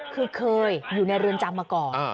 คือเคยอยู่ในเรือนจำมาก่อน